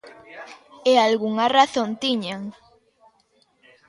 E algunha razón tiñan.